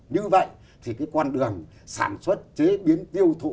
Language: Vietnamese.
như vậy thì cái con đường sản xuất chế biến tiêu thụ